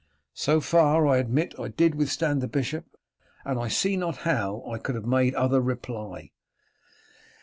So far, I admit, I did withstand the bishop, and I see not how I could have made other reply."